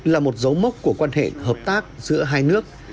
là một dấu mốc của quan hệ hợp tác giữa hai nước